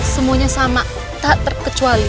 semuanya sama tak terkecuali